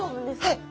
はい。